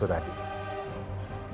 penyegaran yang kamu butuhkan